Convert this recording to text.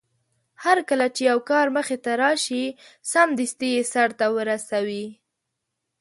هرکله چې يو کار مخې ته راشي سمدستي يې سرته ورسوي.